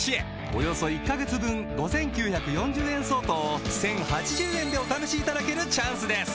およそ１カ月分５，９４０円相当を１，０８０円でお試しいただけるチャンスです